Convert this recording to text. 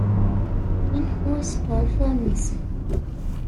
In Who Stole Feminism?